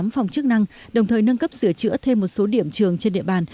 tám phòng chức năng đồng thời nâng cấp sửa chữa thêm một số điểm trường trên địa bàn